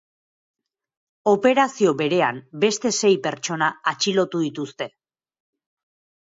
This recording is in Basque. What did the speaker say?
Operazio berean beste sei pertsona atxilotu dituzte.